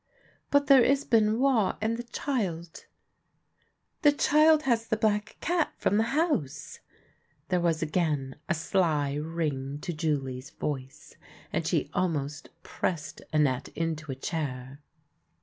" But there is Benoit, and the child "" The child has the black cat from the House !" There was again a sly ring to Julie's voice, and she almost pressed Annette into a chair.